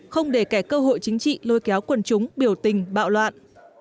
không để kẻ cơ hội chính trị lôi kéo quần chúng biểu tình bạo loạn